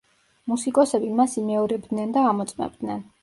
მუსიკოსები მას იმეორებდნენ და ამოწმებდნენ.